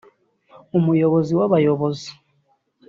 umuyobozi w’abayobozi